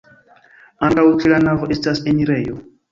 Ankaŭ ĉe la navo estas enirejo.